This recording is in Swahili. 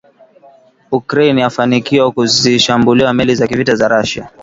Ukraine yafanikiwa kuzishambulia meli za kivita za Russia